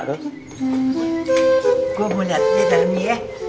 gue mau liat dulu ya